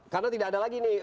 karena tidak ada lagi